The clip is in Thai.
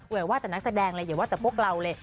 อย่าว่าแต่นักแสดงเลยอย่าว่าแต่พวกเราเลย